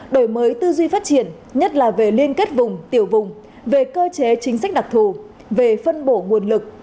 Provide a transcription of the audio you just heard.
đổi mới tư duy phát triển nhất là về liên kết vùng tiểu vùng về cơ chế chính sách đặc thù về phân bổ nguồn lực